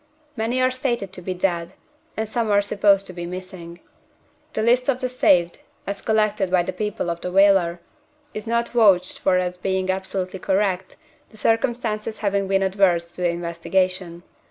Many are stated to be dead, and some are supposed to be missing. The list of the saved, as collected by the people of the whaler, is not vouched for as being absolutely correct, the circumstances having been adverse to investigation.